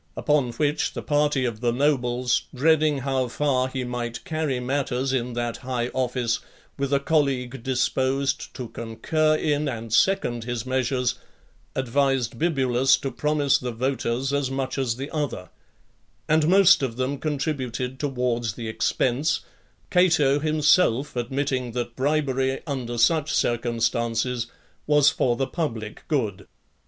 Upon which the party of the nobles, dreading how far he might carry matters in that high office, with a colleague disposed to concur in and second his measures, advised Bibulus to promise the voters as much as the other; and most of them contributed towards the expense, Cato himself admitting that bribery; under such circumstances, was for the public good .